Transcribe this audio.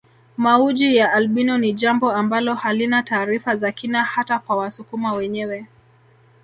Mauji ya albino ni jambo ambalo halina taarifa za kina hata kwa wasukuma wenyewe